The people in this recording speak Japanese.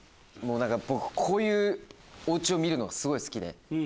僕こういうお家を見るのがすごい好きで。